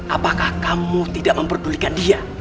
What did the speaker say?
apakah kamu tidak memperdulikan dia